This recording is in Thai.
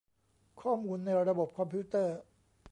ข้อมูลในระบบคอมพิวเตอร์